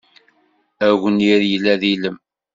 Agnir yella d ilem.